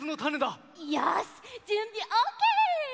よしじゅんびオーケー！